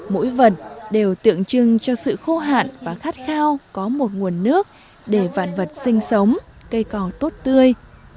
mỗi vật đều tượng trưng cho sự khô hạn và khát khao có một nguồn nước để vạn vật sinh sống cây cò tốt tươi